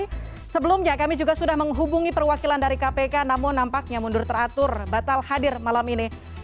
tapi sebelumnya kami juga sudah menghubungi perwakilan dari kpk namun nampaknya mundur teratur batal hadir malam ini